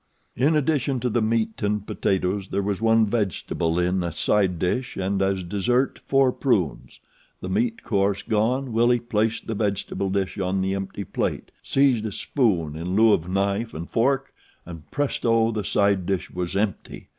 In addition to the meat and potatoes there was one vegetable in a side dish and as dessert four prunes. The meat course gone Willie placed the vegetable dish on the empty plate, seized a spoon in lieu of knife and fork and presto! the side dish was empty.